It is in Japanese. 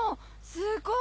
すごい！